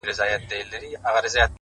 خدایه چي د مرگ فتواوي ودروي نور!!